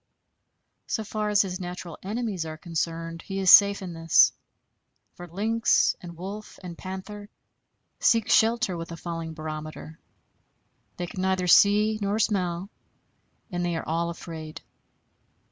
So far as his natural enemies are concerned, he is safe in this; for lynx and wolf and panther, seek shelter with a falling barometer. They can neither see nor smell; and they are all afraid.